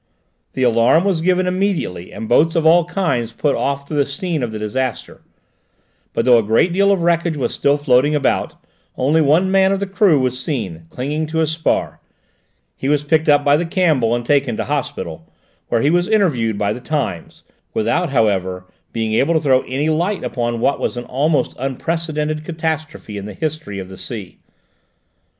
The alarm was given immediately and boats of all kinds put off to the scene of the disaster, but though a great deal of wreckage was still floating about, only one man of the crew was seen, clinging to a spar; he was picked up by the Campbell and taken to hospital, where he was interviewed by The Times, without, however, being able to throw any light upon what was an almost unprecedented catastrophe in the history of the sea.